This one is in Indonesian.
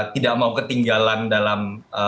tidak mau ketinggalan dalam